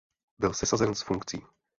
Byl sesazen z funkcí.